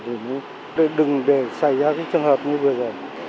đừng để xảy ra cái trường hợp như vừa rồi